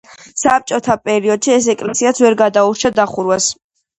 საბჭოთა პერიოდში ეს ეკლესიაც ვერ გადაურჩა დახურვას.